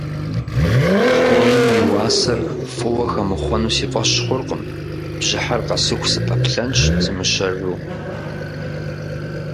Биткоиным и уасэр фӏыуэ хэмыхъуэну си фӏэщ хъуркъым, бжьыхьэр къэсыху сыпэплъэнщ сымыщэжыу.